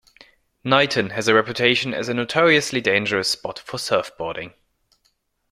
Niton has a reputation as a notoriously dangerous spot for Surfboarding.